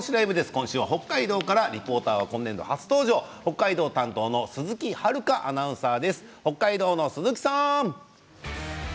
今週は北海道からリポーターは今年度、初登場北海道担当の鈴木遥アナウンサー。